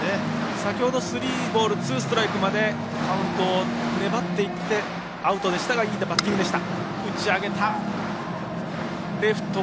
先ほどスリーボールツーストライクまでカウントを粘っていってアウトでしたがいいバッティングでした。